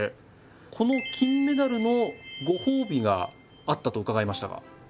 この金メダルのご褒美があったと伺いましたが。